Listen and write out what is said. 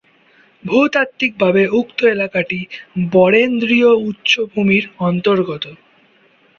ভূ-তাত্বিকভাবে উক্ত এলাকাটি বরেন্দ্রীয় উচ্চ ভূমির অন্তর্গত।